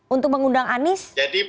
untuk mengundang anies